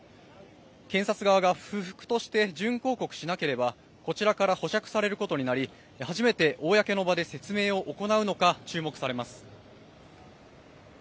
検察側が不服として準抗告しなければ、こちらから保釈されることになり初めて公の場で説明を行うのか注目されます。